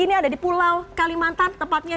ini ada di pulau kalimantan tepatnya